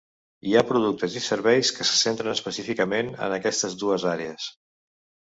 Hi ha productes i serveis que se centren específicament en aquestes dues àrees.